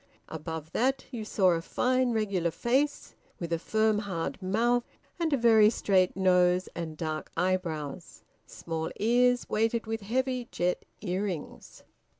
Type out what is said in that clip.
Above that you saw a fine regular face, with a firm hard mouth and a very straight nose and dark eyebrows; small ears weighted with heavy jet ear rings.